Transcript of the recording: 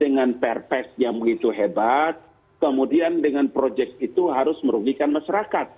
dengan perpes yang begitu hebat kemudian dengan proyek itu harus merugikan masyarakat